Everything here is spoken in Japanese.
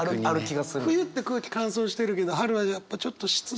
冬って空気乾燥してるけど春はやっぱちょっと湿度。